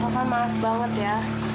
taufan maaf banget ya